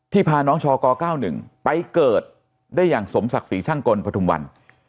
ที่พาน้องชก๙๑ไปเกิดได้อย่างสมศักดิ์ศักดิ์ศักดิ์ช่างกลปฐุมวัน